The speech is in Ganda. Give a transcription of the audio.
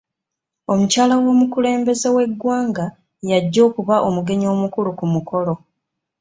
Omukyala w'omukulembeze w'eggwanga y'ajja okuba omugenyi omukulu ku mukolo.